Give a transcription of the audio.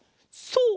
そう！